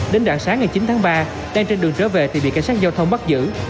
đến rạng sáng ngày chín tháng ba đang trên đường trở về thì bị cảnh sát giao thông bắt giữ